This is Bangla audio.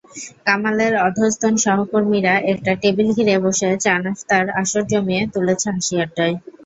কামালের অধস্তন সহকর্মীরা একটা টেবিল ঘিরে বসে চা-নাশতার আসর জমিয়ে তুলেছে হাসি-আড্ডায়।